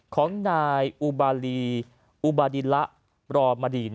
ของนายอุบาลีอุบาดิละรอมดี